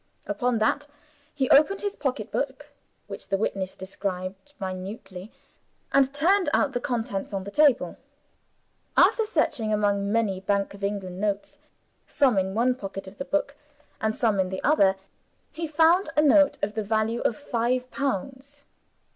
Upon that he opened his pocketbook (which the witness described minutely) and turned out the contents on the table. After searching among many Bank of England notes, some in one pocket of the book and some in another, he found a note of the value of five pounds.